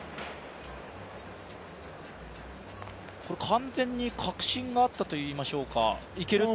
完全に確信があったといいましょうか、いけると。